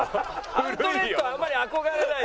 アウトレットあんまり憧れない。